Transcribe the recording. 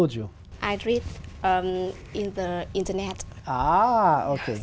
lý do của anh